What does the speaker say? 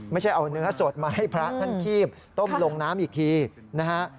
ไม่ใช่เอาเนื้อสดมาให้พระท่านคีบต้มลงน้ำอีกทีนะฮะ